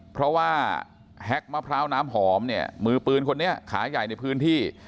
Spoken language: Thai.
เพราะว่าแฮ็กมะพร้าวน้ำหอมเนี่ยมือปืนคนนี้ขาใหญ่ในพื้นที่